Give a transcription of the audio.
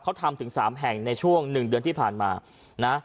เขาทำถึง๓แห่งในช่วง๑เดือนที่ผ่านมานะ